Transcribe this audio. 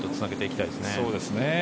そうですね。